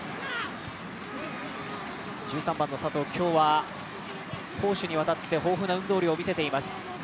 １３番の佐藤、今日は攻守にわたって豊富な運動量を見せています。